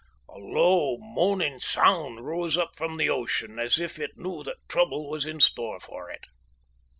A low, moaning sound rose up from the ocean as if it knew that trouble was in store for it.